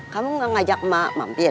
kamu gak ngajak mbak mampir